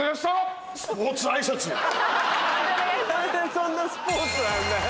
何でそんな「スポーツ」なんだよ。